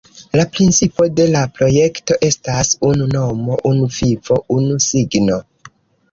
La principo de la projekto estas “Unu nomo, unu vivo, unu signo”.